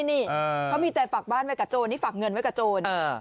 นี่เขามีใจฝากบ้านไว้กับโจรนี่ฝากเงินไว้กับโจร